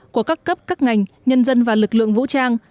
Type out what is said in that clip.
của các cấp các ngành nhân dân và lực lượng vũ trang